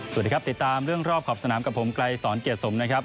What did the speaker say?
สวัสดีครับติดตามเรื่องรอบขอบสนามกับผมไกลสอนเกียรติสมนะครับ